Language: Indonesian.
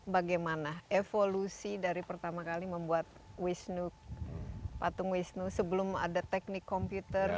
bagaimana evolusi dari pertama kali membuat patung wisnu sebelum ada teknik komputer